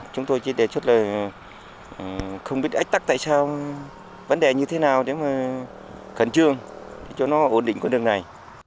chúng tôi chỉ đề xuất là không biết ách tắc tại sao vấn đề như thế nào để mà khẩn trương cho nó ổn định con đường này